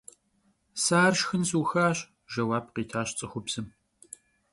Se ar şşxın sıuxaş, – jjeuap khitaş ts'ıxubzım.